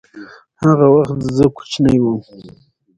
د بولان پټي د افغانستان د امنیت په اړه هم اغېز لري.